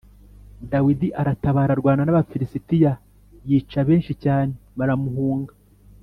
Dawidi aratabara arwana n’Abafilisitiya yica benshi cyane, baramuhunga.